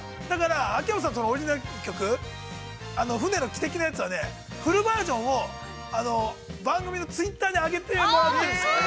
秋山さんのオリジナル曲、船の汽笛のやつはね、フルバージョンを、番組のツイッターに上げてもらっているんです。